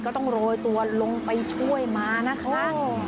ก็ต้องโรยตัวลงไปช่วยมานะคะ